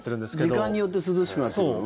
時間によって涼しくなっていくの？